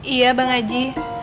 iya bang haji